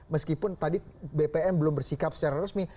meskipun tadi bpn belum bersikap secara resmi